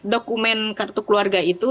dokumen kartu keluarga itu